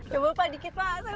coba pak dikit pak